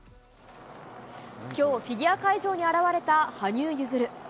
今日、フィギュア会場に現れた羽生結弦。